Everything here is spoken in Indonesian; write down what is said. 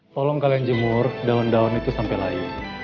tolong kalian jemur daun daun itu sampai layu